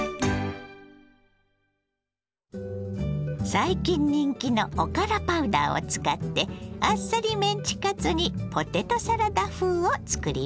最近人気のおからパウダーを使ってあっさりメンチカツにポテトサラダ風を作ります。